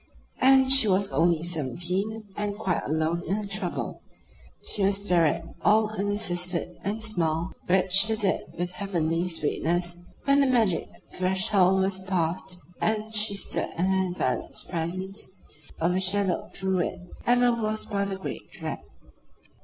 And she was only seventeen and quite alone in her trouble. She must bear it all unassisted and smile, which she did with heavenly sweetness, when the magic threshold was passed and she stood in her invalid's presence, overshadowed though it ever was by the great Dread.